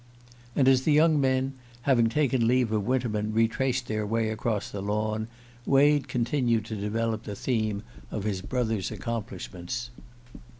And as the young men, having taken leave of Winterman, retraced their way across the lawn, Wade continued to develop the theme of his brother's accomplishments.